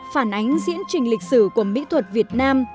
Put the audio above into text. phản ánh diễn trình lịch sử của mỹ thuật việt nam